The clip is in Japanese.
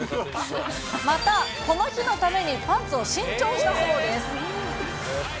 また、この日のためにパンツを新調したそうです。